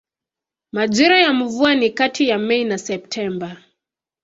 Majira ya mvua ni kati ya Mei na Septemba.